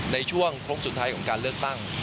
ในช่วงโค้งสุดท้ายของการเลือกตั้ง